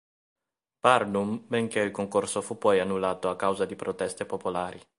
Barnum, benché il concorso fu poi annullato a causa di proteste popolari.